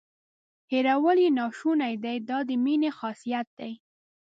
هیرول یې ناشونې دي دا د مینې خاصیت دی.